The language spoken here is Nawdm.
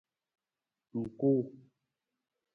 Ng kuu.